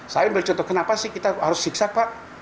saya ambil contoh kenapa sih kita harus siksa pak